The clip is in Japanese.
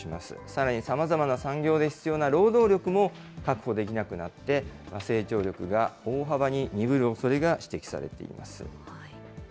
さらにさまざまな産業で必要な労働力も確保できなくなって、成長力が大幅に鈍るおそれが指摘されています。